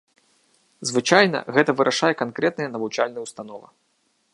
Звычайна гэта вырашае канкрэтная навучальная ўстанова.